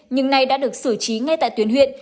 nhưng nay đã được xử trí ngay tại tuyến huyện